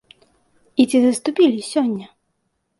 І ці заступілі сёння?